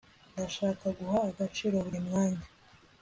ndashaka guha agaciro buri mwanya